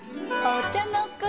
お茶の子